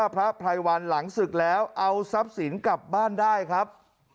พระไพรวัลหลังศึกแล้วเอาทรัพย์สินกลับบ้านได้ครับ